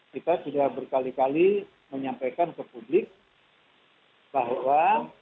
kita sudah berkali kali menyampaikan ke publik bahwa